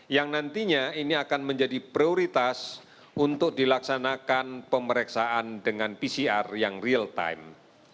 yang nantinya ini akan menjadi prioritas untuk dilaksanakan pemeriksaan dengan pcr yang real time